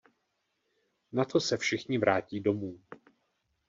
Nato se všichni vrátí domů.